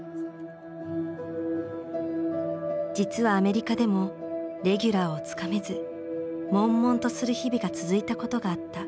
実はアメリカでもレギュラーをつかめずもんもんとする日々が続いたことがあった。